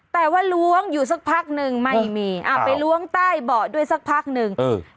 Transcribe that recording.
แต่ว่าล้วงอยู่สักพักหนึ่งไม่มีอ่าไปล้วงใต้เบาะด้วยสักพักหนึ่งเออ